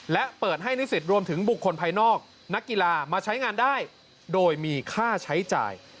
และเปิดให้นิสิตรวมถึงบุคคลภายนอกนักกีฬามาใช้งานได้โดยมีค่าใช้จ่าย